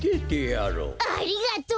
ありがとう！